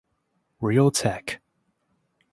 Realtek